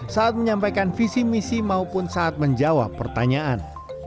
saat menyampaikan visi misi maupun saat menjawab pertanyaan